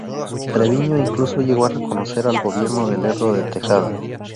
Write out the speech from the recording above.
Treviño incluso llegó a reconocer al gobierno de Lerdo de Tejada.